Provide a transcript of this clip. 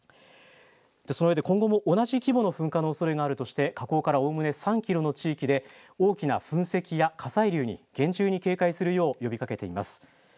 そのうえで今後も同じ規模の噴火のおそれがあるとして火口からおおむね３キロの地域で大きな噴石や火砕流に厳重に警戒するよう呼びかけています。